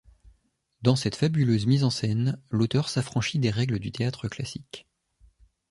Dans cette fabuleuse mise en scène, l'auteur s'affranchit des règles du théâtre classique.